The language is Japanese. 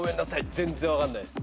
全然分かんないです。